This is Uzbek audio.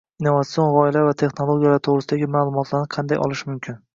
innovatsion g’oyalar va texnologiyalar to’g’risidagi ma’lumotlarni qanday olish mumkin?